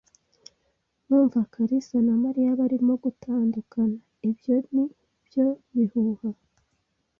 "Ndumva kalisa na Mariya barimo gutandukana." "Ibyo ni byo bihuha."